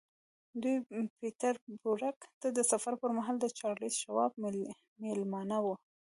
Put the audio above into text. دوی پیټرزبورګ ته د سفر پر مهال د چارلیس شواب مېلمانه وو